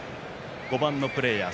５番のプレーヤー。